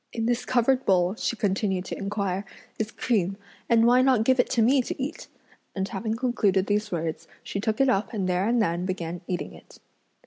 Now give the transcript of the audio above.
"In this covered bowl," she continued to inquire, "is cream, and why not give it to me to eat?" and having concluded these words, she took it up and there and then began eating it.